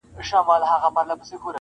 • لېوه خره ته کړلې سپیني خپلي داړي -